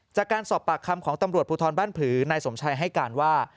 จากการสอบปากคำของตำรวจภูทรบ้านผือนายสมชัยให้การว่า